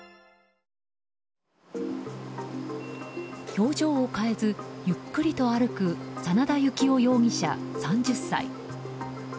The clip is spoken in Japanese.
表情を変えずゆっくりと歩く真田行男容疑者、３０歳。